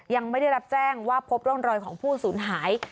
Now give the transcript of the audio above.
ยังไม่ได้รับแจ้งว่าพบร่องรอยของผู้สูญหาย